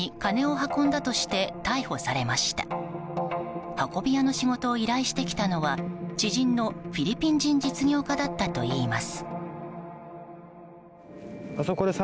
運び屋の仕事を依頼してきたのは知人のフィリピン人実業家だったといいます。